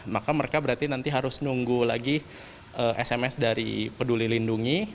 maka mereka berarti nanti harus nunggu lagi sms dari peduli lindungi